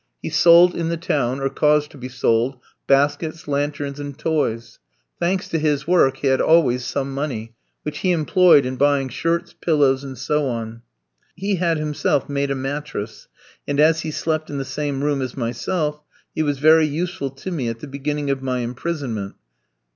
He sold in the town, or caused to be sold, baskets, lanterns, and toys. Thanks to his work, he had always some money, which he employed in buying shirts, pillows, and so on. He had himself made a mattress, and as he slept in the same room as myself he was very useful to me at the beginning of my imprisonment.